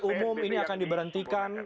umum ini akan diberhentikan